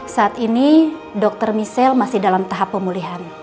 saat ini dr miesel masih dalam tahap pemulihan